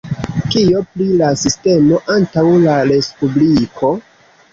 Kio pri la sistemo antaŭ la respubliko?